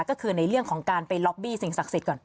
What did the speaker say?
ก็คือในเรื่องของการไปล็อบบี้สิ่งศักดิ์สิทธิ์ก่อน